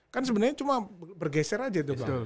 kan sebenarnya cuma bergeser aja itu pak